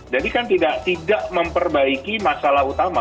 jadi kan tidak memperbaiki masalah utama